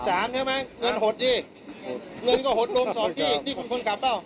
ใช่ไหมเงินหดดิเงินก็หดลงสอบที่นี่คุณคนกลับเปล่า